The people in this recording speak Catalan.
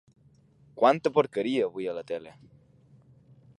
Quanta porqueria avui a la tele.